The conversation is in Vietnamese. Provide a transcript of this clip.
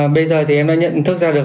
bây giờ thì em đã nhận thức ra được